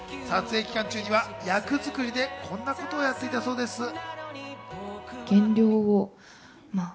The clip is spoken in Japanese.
撮影期間中には、役作りでこんなことをやっていたそうです。